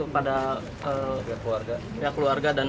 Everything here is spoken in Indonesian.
pada pihak keluarga dan